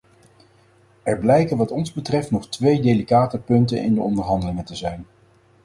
Er blijken wat ons betreft nog twee delicate punten in de onderhandelingen te zijn.